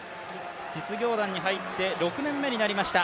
実業団に入って６年目に入りました。